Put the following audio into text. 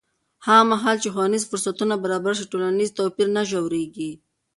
هغه مهال چې ښوونیز فرصتونه برابر شي، ټولنیز توپیر نه ژورېږي.